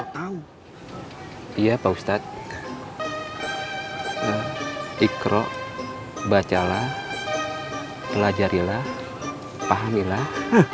tahu iya pak ustadz ikro bacalah pelajarilah pahamilah